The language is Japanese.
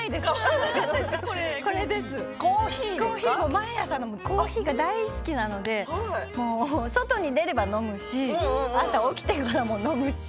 毎朝飲むコーヒーが大好きなので外に出れば飲むし朝起きてからも飲むし。